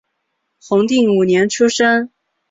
弘定五年出生。